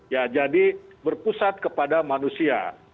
ya jadi berpusat kepada manusia